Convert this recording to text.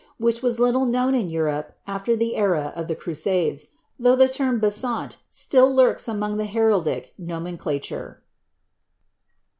which was little known in Europe the era of the Crusades, though the term bc:ant still lurLs ai heriddic nomenclature.